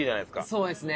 そうですね。